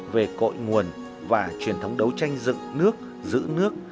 về cội nguồn và truyền thống đấu tranh dựng nước giữ nước